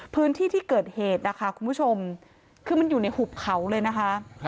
พื้นที่ที่เกิดเหตุนะคะคุณผู้ชมคือมันอยู่ในหุบเขาเลยนะคะ